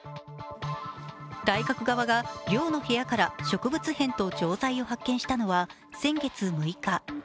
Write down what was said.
大学側が寮の部屋から植物片と錠剤を発見したのは先月６日。